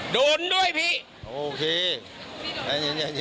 โดนด้วยพี่